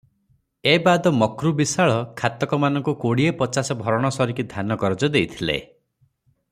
ଏ ବାଦ ମକ୍ରୁ ବିଶାଳ ଖାତକମାନଙ୍କୁ କୋଡିଏ ପଚାଶ ଭରଣ ସରିକି ଧାନ କରଜ ଦେଇଥିଲେ ।